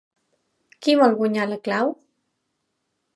Qui vol guanyar la clau?